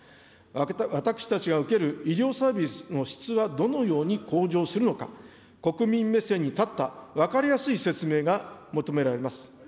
私たちが受ける医療サービスの質はどのように向上するのか、国民目線に立った分かりやすい説明が求められます。